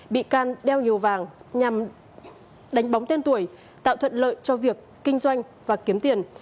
bị can đeo nhiều vàng nhằm đánh bóng tên tuổi tạo thuận lợi cho việc kinh doanh và kiếm tiền